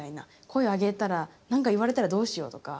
声を上げたら何か言われたらどうしようとか。